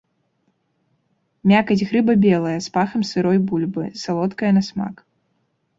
Мякаць грыба белая, з пахам сырой бульбы, салодкая на смак.